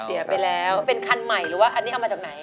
เสียไปแล้วเป็นคันใหม่หรือว่าอันนี้เอามาจากไหน